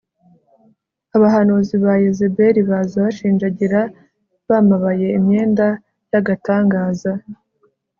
Abahanuzi ba Yezeberi baza bashinjagira bamabaye imyenda yagatangaza